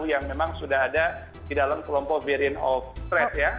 yang memang sudah ada di dalam kelompok variant of thres ya